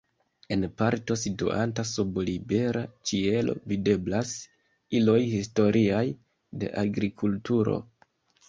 En parto situanta sub libera ĉielo videblas iloj historiaj de agrikulturo.